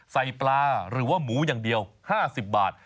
ใส่ปลาหรือว่าหมูอย่างเดียว๕๐บาท